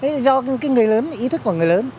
đấy do cái người lớn ý thức của người lớn